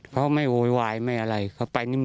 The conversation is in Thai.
เขาไม่โวยวายไม่อะไรเขาไปนิม